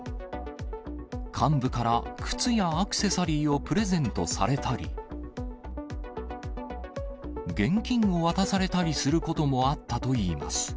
幹部から靴やアクセサリーをプレゼントされたり、現金を渡されたりすることもあったといいます。